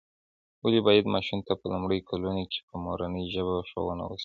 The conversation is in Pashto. ولې باید ماشوم ته په لومړیو کلونو کې په مورنۍ ژبه ښوونه وسي؟